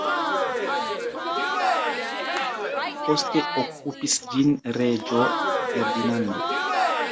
Poste okupis ĝin reĝo Ferdinando.